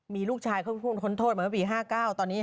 มีลูกชายเขาค้นโทษปี๕๙